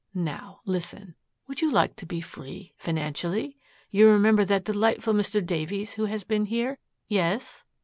Now, listen. Would you like to be free financially? You remember that delightful Mr. Davies who has been here? Yes?